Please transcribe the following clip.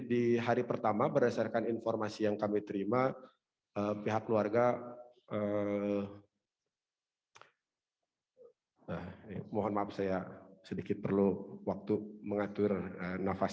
dan kami berkomunikasi dengan keluarga dan kedutaan